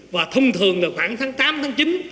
và thông thường là khoảng tháng tám tháng chín